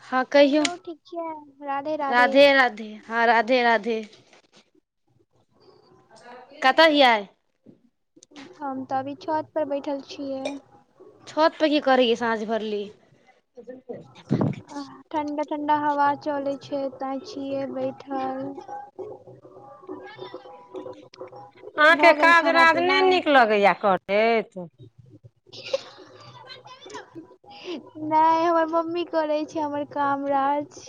हँ कहियौ कहिऔ ठीक छियै राधे राधे। हँ राधे राधे। कतऽ हियै। हम तऽ अभी छऽत पर बैठल छियै। छऽत पर कि करैए साँझ भरली। ठंडा-ठंडा हवा चलै छै तें छियै बैठल। बल्ला द दे। अहाँके काज राज पीना नहि नीक लगैया करैत। [inaudible] नै हमर मम्मी करै छै हमर काम राज।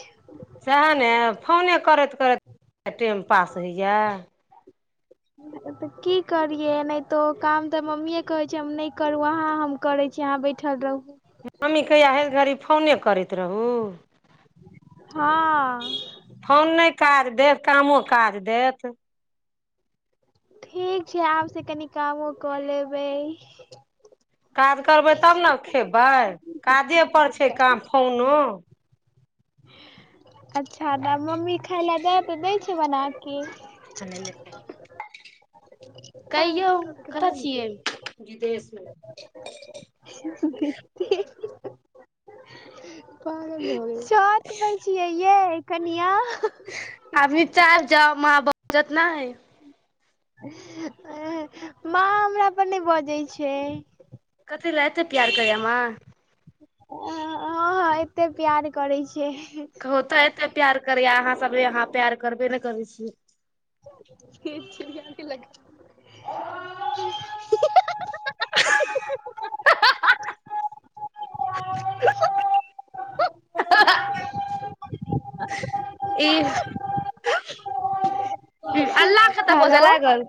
सैहा ने फोने करैत करैत टेम पास होइया। हिप्पऽऽऽ। त की करिय नहि तऽ ओ काम तऽ मम्मीए कहै छै हम नहि करू अहाँ हम करै छी अहाँ बैठल रहु। मम्मी कहिया हर घड़ी फोने करैत रहू। हाँ। फोन नहि काज देत कामो काज देत। ठीक छै, आब से कनि कामो कऽ लेबै। काज करबै तब न खेबै, काजे पर छै काम फोनो। अच्छा तऽ मम्मी खाय लै द तऽ दै छै बना के। कहियौ कतऽ छियै। बिदेश मे। खीस भिह। [unintelligible] पागल भ गेलै, छत पर छियै यै कनिया। अभी चाह जाओ माँ बाजत नै। इह माँ हमरा पर नै बजै छै। कत्ते ले, अते प्यार करैये माँ। अ हँ हँ एत्ते प्यार करै छै। ओ तै एत्ते प्यार करैय अहाँ सब अहाँ प्यार करबे नै करै छियै। खी चिड़िया ने लग। [unintelligible] अह हहाऽ। [unintelligible] ई अल्ला कतऽ हेलो बजऽ लागल।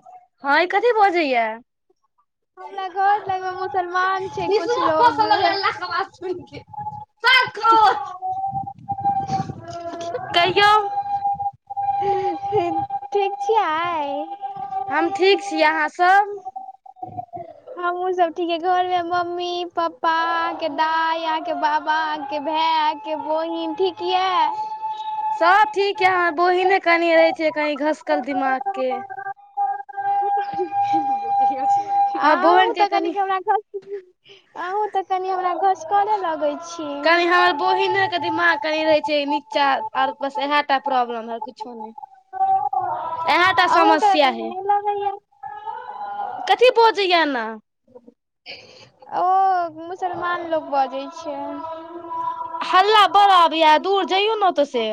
है कथी बजैये। हमरा घर लगमे मुसलमान छै कुछ इसरो लोग। हंसऽ लगलै अल्ला के बात पर। [unintelligible] सात करोड़। कहियौ। अखन ठिक छियै। हम ठीक छी अहाँ सब। हमहुँ सब ठीके, घरमे मम्मी पप्पा अहांँके दाय, अहाँ के बाबा, अहांँके भाइ अहां के बहिन ठीक यै? सब ठीक यै, हमर बहिने कनि रहै छै क‌नि घसकल दिमाग के। हँ अहुं बहिन के तऽ कनि कनिक हमरा घस अहूँ तऽ कनि हमरा घसकले लगै छी। कनि हमर बहिने के दिमाग कनि रहै छै नीचा आर बस इहे टा प्रॉब्लम है आर कुछो नै। इहे टा अहूँके समस्या हइ। तेहने लगैया कथि बजैये एना। ओ मुसलमान लोक बजै छै। हल्ला बड़ आबैये दूर जइयौ न तऽ से।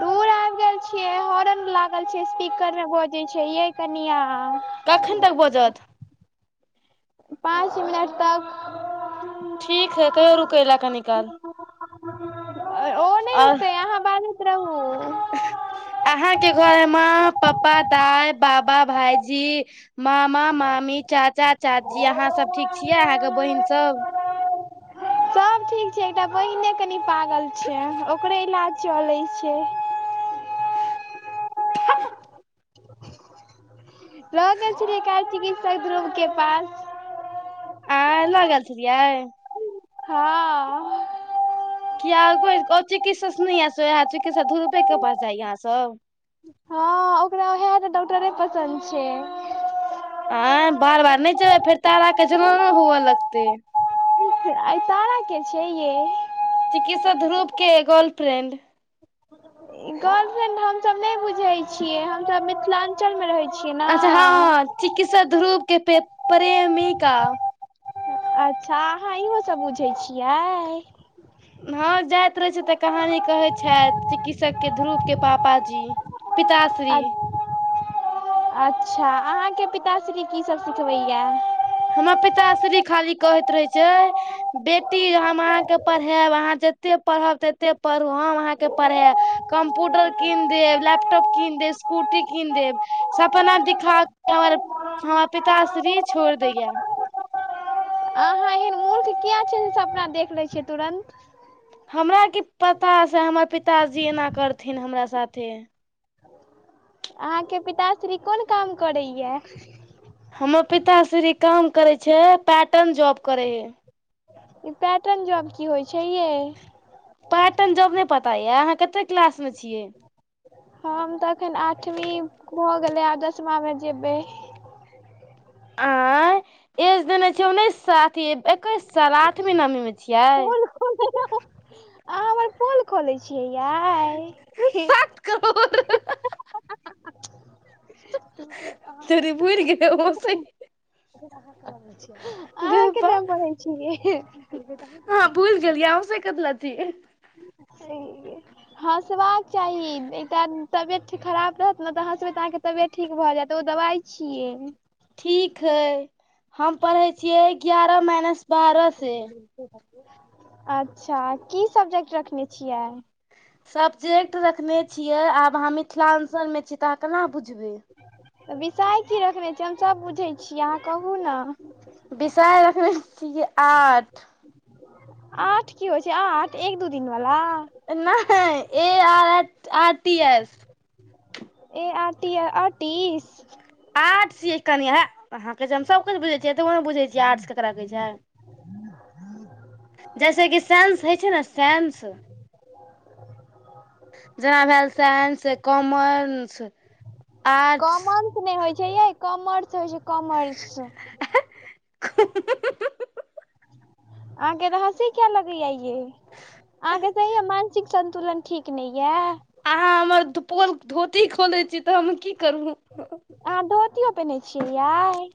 दूर आबि गेल छियै हॉर्न लागल छै, स्पीकरमे बजै छै यै कनिया। कखैन तक बाजत। पाँच मिनट तक। ठीक छै, कहियो रुकै ले कनि काल। आह। अहाॅं बाजैत रहू। अहाँके घर मे माॅं, पप्पा, दाइ, बाबा भायजी मामा-मामी, चाचा-चाचा, अहाँ सब ठीक छियै, अहाँके बहिन सब। रहू सब ठीक एकटा बहिने कनि पागल छै, ओकरे इलाज चलै छै। [inaudible] लऽ गेल छलिये काल्हि चिकित्सक ध्रुव के पास आंय लऽ गेल छलियै? हाॅं। किया और चिकित्सक नहि ये, चिकित्सक ध्रुव के पास जाइ ये अहां सब। हाॅं ओकरा उएहटा डॉक्टरे पसन्द छै। आंय बार-बार नहि जेबै फेर तारा के जलन हुए लगते। ठीक छै, एहि तारा। के छिये ये। चिकित्सक ध्रूव के गर्लफ्रेंड। गर्लफ्रेंड हम सब नहि बुझे छिये, हम-सब मिथिलांचल मे रहे अच्छा हाॅं -हाॅं चिकित्सा ध्रुव के प्रे- प्रेमीका। अच्छा, अहाँ इहो सब बुझैत छियै। हाॅं जाइत रहै छै, तऽ कहानी कहै छैथ, चिकित्सक ध्रुवके पापाजी। पिताश्री। अच्छा, अहाँके पिताश्री की सब सिखबैया। हमर पिताश्री खाली कहैत रहै छै बेटी हम अहाँके पढ़ायब, अहाँ जते पढ़ब तते पढ़ू हम अहाँके पढ़ायब। कम्प्यूटर कीन देब, लैपटॉप कीन देब, स्कूटी कीन देब। सपना दिखाके हमर-हमर पिताश्री छोड़ दैया। अहाँ एहन मूर्ख किया छियै से सब अपना देख लै छियै तुरन्त। हमरा की पता से हमर पिताजी ऐना करथिन हमरा साथे। अहाँके पिताश्री कोन काम करैया। हमर पिताश्री काम करै छै, पाटन जॉब करै है। ई पैटर्न जॉब की होइ छै, ये। पार्टटाइम जॉब नहि पता यऽ, अहाँ कतेक क्लास में छियै। हम तऽ एखन आठवीं भ गेलै आब दसमा मे जेबै। आंय एज देने छिये उन्नैस साल अथी एकैस साल आठवी नमी मे छियै। पोल खोलै अहाँ हमर पोल खोले छियै यऽ। क कर और [inaudible] छोड़ी भूरि गेले हंसैया। अहाँ गै कत्ते बा में पढ़ै छियै। भूल गेलियै हंसे कथिलैय छीयै। हँसबाक चाही एकटा तबियत खराब रहत ने, तऽ हंसबे अहाँके तऽ तबियत ठीक भऽ जायत, ओ दबाइ छियै। ठीक हइ, हम पढ़ै छियै ग्यारह माइनस बारह से। अच्छा की सब्जेक्ट रखने छियै। सब्जेक्ट रखने छियै, आब अहाँ मिथिलाञ्चल में छी तऽ अहाँ केना बुझबै। विषय की रखने छियै, हम सभ बुझै छियै अहाँ कहू ने। बिषय रखने छियै आर्ट। आठ की होइ छै, आठ एक -दू दिन बला। नै A- R- R T- S. A - R -T -I आटीटीस। आर्ट्स छियै कनि है, अहाँ कहै हम सभकछु बुझैत छियै, एतबो ने बुझैत छिय आर्ट्स केकरा कहै छै। जैसे कि सैन्स होइ छै ने सैन्स जेना भेल साइंस कॉमन्स कॉमन्स नहि होइत छै यै, कॉमर्स होइ छै कॉमर्स। [unintelligible] अहाँके एते हंसी कियाा लगैया ये। अहाँके बुझाए या मानसिक संन्तुलन ठीक नहि यऽ। अहाँ हमर दु पोल धोती खोलै छी तऽ हम की करू? अहाँ धोतियो पेन्है छियै यै?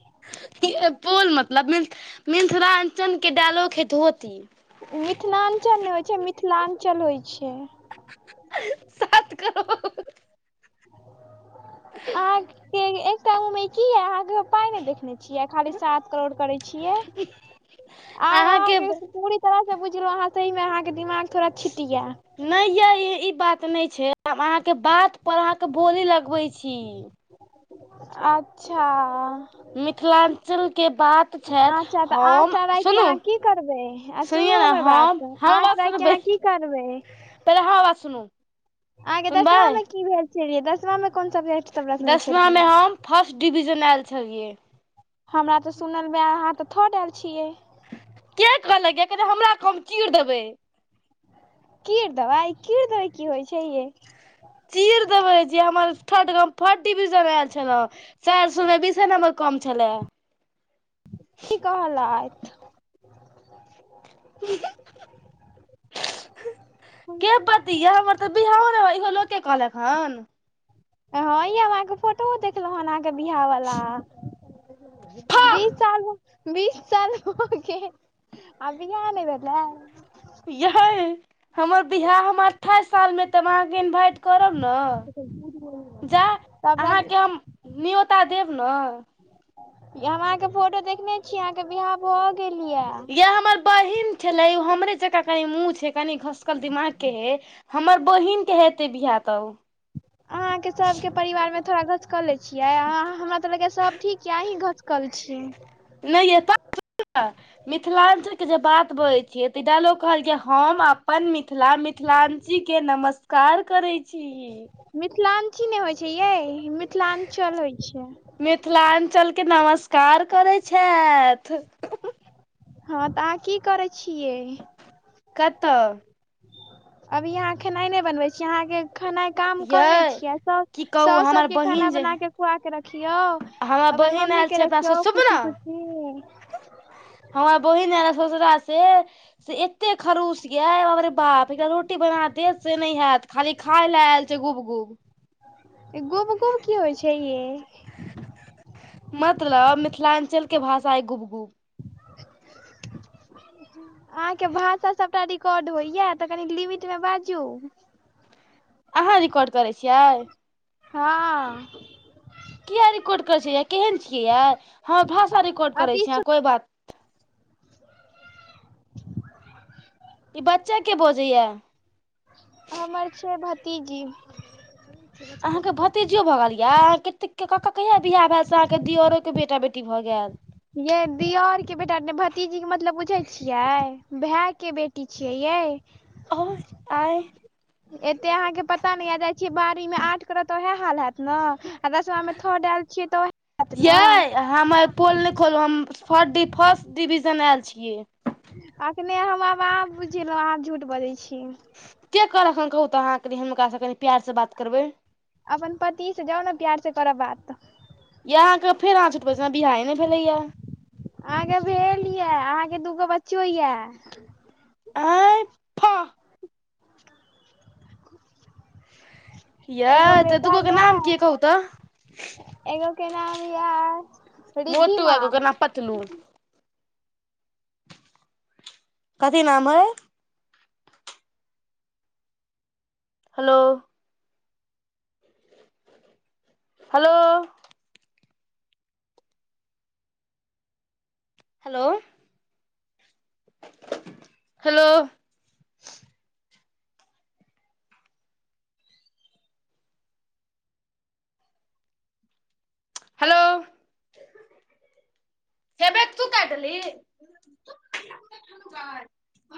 हे यै पोल मतलब मिथ मिल्थलाञ्चल के डायलोग हइ धोती। मिल्थलाञ्चल नै होइत छै मिथिलाञ्चल होइ छै। [unintelligible] सात करो अहाँके एकटा उमे की यै अहाँके? हाँ नै देखने छियै, खाली सात करोड़ करै छियै। आब अहाँ अहाँके के से पुरी त रह सं बुझि गेलहुं अहाँ, सही मे अहाँके दिमाग थोड़ा छिट या। नै यै ई बात नै छै। हम अहाँके बात पर अहाँके बोली लगबै छी। अच्छा। मिथिलाञ्चलके बात छथि अच्छा तऽ आठ हम टा राखि के सुनू अहाँ की करबै आ सुनू सुनियौ ने हमर बात हम हमर आठ बात राखि के सुनबै, अहाँ की करबै पहिले हमर बात सुनू अहाँके सुनबै दसमामे की भेल छलियै। दसमामे कोन सब्जेक्ट सब रखने दसमा मे छलियै? हम फर्स्ट डिवीजन आएल छलियै। हमरा तऽ सुनलमे आएल, अहाँ तऽ थर्ड आएल छियै। के कहलक? यै कने हमरा कहब हम चीर देबै। कीर देबै, कीर देब की होइ छै यै। चीर देबय जे हमर थर्ड क हम फट डिवीज़न आएल छलय। चार समें बीसे नंबर कम छला। ई कहलैथ? [inaudible] [unintelligible] के पत इहा पर तऽ बिहाओ नै होइ, इहो लोके कहलैथ हन हँ यै हम अहाँके फोटोहो देखलौं हन, अहाँके बिहा बला फा [unintelligible] बीस साल भ, बीस साल भ गेल आ बिहा नै भेला यै [inaudible] हमर बिहा हम अठाइस सालमे त हम अहाँके इन्वाइट करब न [inaudible] जा तब तक अहाँके हम न्योता देब न [inaudible] यै हम अहाँके फोटो देखने छी, अहाँके बिहा भऽ गेल या। यै हमर बहिन छलै, ओ हमरे जकाँ कनी मुँह छै कनी घसकल दिमाग के हइ। हमर बहिन के हेतै बिहा तऽ अहाँके सबके परिवारमे थोड़ा घसकले छियै आ अहाँ हमरा तऽ लगैया सब ठीक या अहीँ घसकल छी। नै यै [unintelligible] मिथिलाञ्चलके जे बात बजै छियै तऽ ई डायलोग कहलकै हम अपन मिथिला मिथिलाञ्चीके नमस्कार करै छी। मिथिलाञ्ची नै होइ छै यै मिथिलाञ्चल होइ छै। मिथिलाञ्चलके नमस्कार करै छथि। हँ तऽ अहाँ की करै छियै? कत? अभी अहाँ खेनाइ नै बनबै छी अहाँके खनाइ काम करै यै छियै, सब की कहू साउस हमर सबके खाना बहिन जे बनाके खुआके रखियौ। हमर अपन बहिन आयल मम्मीके छै अपना रखियौ स सुनू खुशी खुशी। हमर बहिन आएला सौसरा से से एतेक खड़ूस यै बाप रे बाप, एकटा रोटी बना देत से नै हैत। खाली खाइले ऐल छै गुब गुब। ई गुब गुब की होइ छै यै। मतलब मिथिलांञ्चल के भाषा ए गुब-गुब। [unintelligible] अहाँके भाषा सबटा रिकॉर्ड होइया तऽ कनि लिमिट मे बाजू। अहाँ रिकॉर्ड करय छियै? हां। किए रिकॉर्ड करे छीयै यै? केहेन छियै यै? हमर भाषा रिकॉर्ड करे अति छीयै अहाँ कोई बात ई बच्चा के बजैया? हमर छीयै भतीजी। अहाँके भतीज यौ भऽ गेल यै अहाँ कतेक के [unintelligible] कहिया बियाह भेल से अहाँके दियरो के बेटा-बेटी भऽ गेल। यै दियर के बेटा नै भतीजी के मतलब बूझै छिये? भै के बेट टी छियै यै। औ ए उं एते अहाँ के पता नै यै जाय छीेयै बारवीं में आठ करत त उहै हाल हैत नै आ दसवा में थर्ड ऐल छीये तऽ ओहे यै हमर पोल नै खोलू हम फड डी फर्स्ट डिविजन ऐल छियै। अखने हम आब अहाँ बुझ गेलो अहाँ झूठ बजै छीयै। के कहलक अहां कहू तऽ अहाँ कनि हुनका से कनि प्यार से बात करबै। अपन पति से जाउ नै प्यार से करब बात। या अहाँके फेर अहाँ झुठ बजे छीये, हमर बियाहे नै भेलै यै। अहाँके भेल यै, अहाँके दूगो बच्चो यै। आइ फह [inaudible] यै एगो तऽ बेटा दुगो के ये नाम की यै कहू तऽ। एगो के नाम यै मोटू एगो के नाम पतलू। कथी नाम ऐ? Hello. Hello. Hello. Hello. Hello आ छै [inaudible] [unintelligible] तू काइट देलही [inaudible]